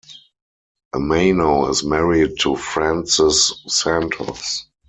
Amano is married to Frances Santos.